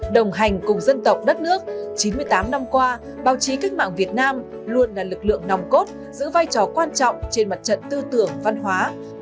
đồng hành cùng dân tộc đất nước chín mươi tám năm qua báo chí cách mạng việt nam luôn là lực lượng nòng cốt giữ vai trò quan trọng trên mặt trận tư tưởng văn hóa